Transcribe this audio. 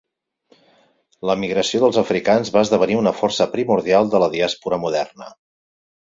La migració dels africans va esdevenir una força primordial de la diàspora moderna.